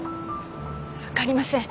わかりません。